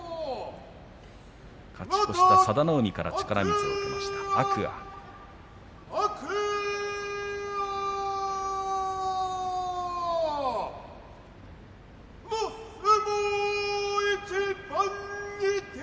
勝ち越した佐田の海から力水を受けます